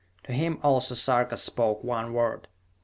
To him also Sarka spoke one word.